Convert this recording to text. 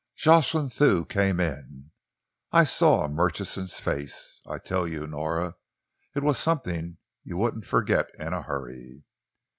Jocelyn Thew came in. I saw Murchison's face. I tell you, Nora, it was something you wouldn't forget in a hurry.